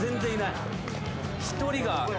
１人が。